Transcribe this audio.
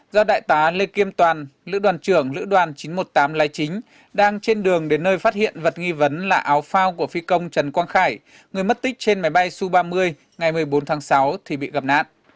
do đại tá lê kim toàn lữ đoàn trưởng lữ đoàn chín trăm một mươi tám lai chính đang trên đường đến nơi phát hiện vật nghi vấn là áo phao của phi công trần quang khải người mất tích trên máy bay su ba mươi ngày một mươi bốn tháng sáu thì bị gặp nạn